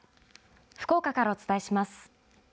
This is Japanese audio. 福岡からお伝えします。